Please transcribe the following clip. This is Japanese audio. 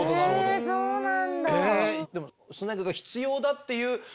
えそうなんだ。